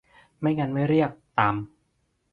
ไม่งั้นไม่เรียก 'ตำ'